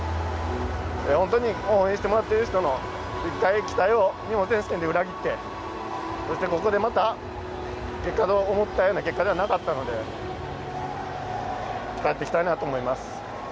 本当に応援してもらった人の期待を裏切ってそしてここでまた思ったような結果ではなかったので帰ってきたいと思います。